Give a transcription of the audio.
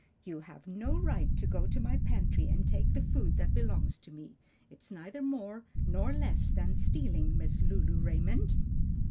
"You have no right to go to my pantry and take the food that belongs to me. It's neither more nor less than stealing, Miss Lulu Raymond."